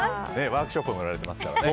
ワークショップもやられてますからね。